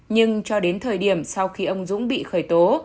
nhưng cho đến thời điểm sau khi ông dũng bị khởi tố